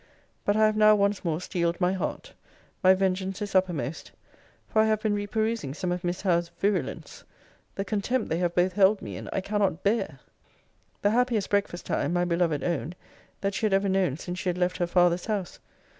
But I have now once more steeled my heart. My vengeance is uppermost; for I have been reperusing some of Miss Howe's virulence. The contempt they have both held me in I cannot bear. The happiest breakfast time, my beloved owned, that she had ever known since she had left her father's house.